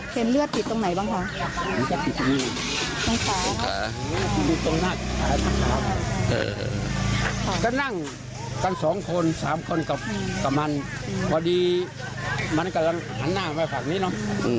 พอดีมันกำลังหันหน้ามาฝั่งนี้เนาะ